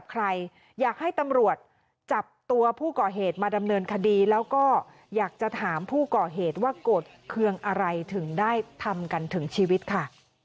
กันถึงชีวิตค่ะ